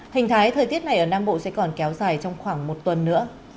hình thái thời tiết này ở nam bộ sẽ còn kéo dài trong khoảng một tuần nữa